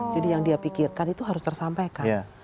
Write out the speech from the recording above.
jadi yang dia pikirkan itu harus tersampaikan